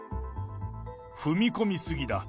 踏み込み過ぎだ。